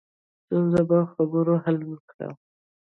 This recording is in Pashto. ستونزه په خبرو حل کړه